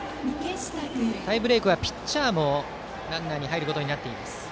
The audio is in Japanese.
タイブレークはピッチャーもランナーに入ることになっています。